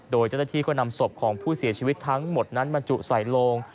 โดยจังที่ก็นำสบของผู้เสียชีวิตทั้งหมดนั้นมาจุใส่ลง